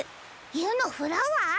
ゆのフラワー？